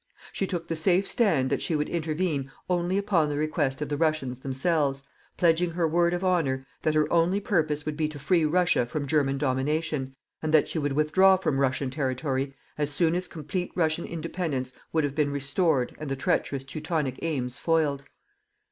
She took the safe stand that she would intervene only upon the request of the Russians themselves, pledging her word of honour that her only purpose would be to free Russia from German domination, and that she would withdraw from Russian territory as soon as complete Russian independence would have been restored and the treacherous Teutonic aims foiled.